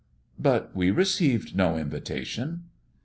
"But we received no invitation!"